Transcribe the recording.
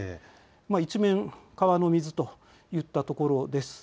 一面川の水といったところですね。